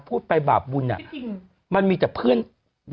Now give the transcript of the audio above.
มนุษย์ต่างดาวต้องการจะเจอหน่อย